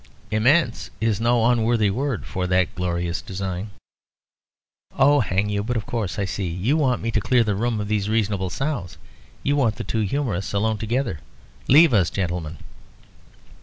"Immense is no unworthy word for that glorious design." "Oh, hang you! But, of course, I see. You want me to clear the room of these reasonable sows. You want the two humorists alone together. Leave us, gentlemen."